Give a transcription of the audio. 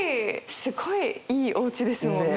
すごいいいおうちですもんね。